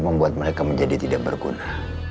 membuat mereka menjadi tidak berguna